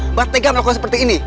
mbak tega melakukan seperti ini